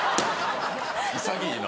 潔いな。